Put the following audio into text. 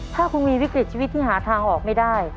ถ้าคุณมีวิกฤตชีวิตที่หาทางออกไม่ได้